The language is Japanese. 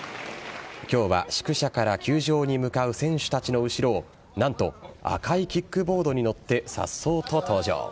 今日は、宿舎から球場に向かう選手たちの後ろを何と赤いキックボードに乗って颯爽と登場。